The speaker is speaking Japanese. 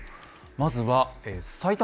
まずは埼玉新聞。